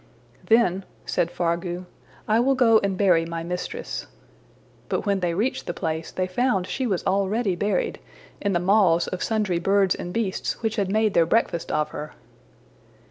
``Then,'' said Fargu, ``I will go and bury my mistress.'' But when they reached the place, they found she was already buried in the maws of sundry birds and beasts which had made their breakfast of her.